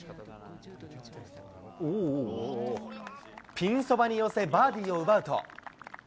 ピンそばに寄せ、バーディーを奪うと。